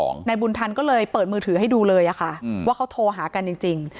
นายบุญทันก็เลยเปิดมือถือให้ดูเลยอะค่ะว่าเขาโทรหากันจริง